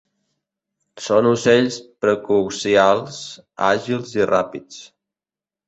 Són ocells precocials àgils i ràpids.